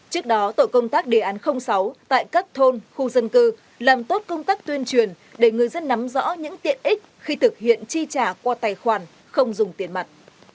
trước đó tội công tác đề án sáu tại các thôn khu dân cư làm tốt công tác tuyên truyền để người dân nắm rõ những tiện ích khi thực hiện chi trả qua tài khoản không dùng tiền mặt